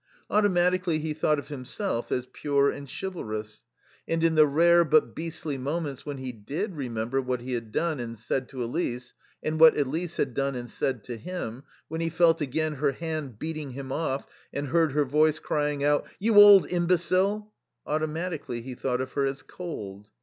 Automatically he thought of himself as pure and chivalrous. And in the rare but beastly moments when he did remember what he had done and said to Elise and what Elise had done and said to him, when he felt again her hand beating him off and heard her voice crying out: "You old imbecile!" automatically he thought of her as cold.